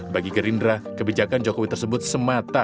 bagi gerindra kebijakan jokowi tersebut semata